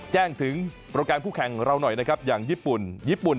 แจ้งถึงโปรแกรมคู่แข่งเราหน่อยนะครับอย่างญี่ปุ่นญี่ปุ่น